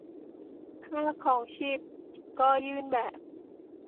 ค่าครองชีพก็ยื่นแบบ